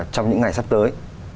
trong những ngày sắp tới